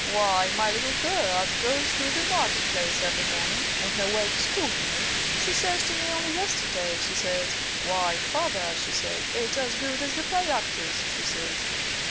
Why, my little girl, as goes through the market place every morning on her way to school, you know she says to me only yesterday, she says, 'Why, father,' she says, 'it's as good as the play actors,' she says."